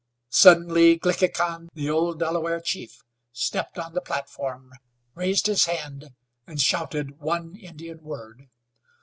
Suddenly Glickhican, the old Delaware chief, stepped on the platform, raised his hand and shouted one Indian word.